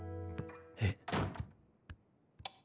えっ。